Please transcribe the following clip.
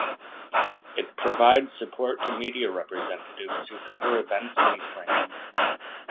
It provides support to media representatives who cover events in Ukraine.